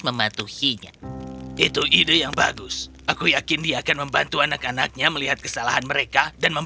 mematuhinya itu ide yang bagus aku yakin dia akan membantu anak anaknya melihat kesalahan mereka dan